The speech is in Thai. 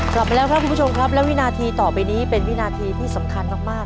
กลับมาแล้วครับคุณผู้ชมครับและวินาทีต่อไปนี้เป็นวินาทีที่สำคัญมาก